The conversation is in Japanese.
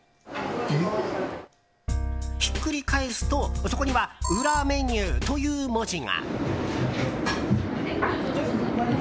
ひっくり返すとそこには裏メニューという文字が。